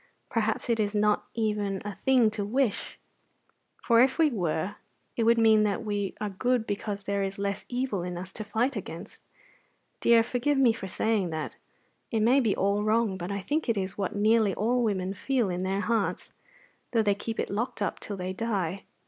Perhaps it is not even a thing to wish; for if we were, it would mean that we are good because there is less evil in us to fight against. Dear, forgive me for saying that; it may be all wrong; but I think it is what nearly all women feel in their hearts, though they keep it locked up till they die.